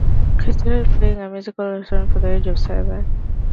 He started playing a musical instrument from the age of seven.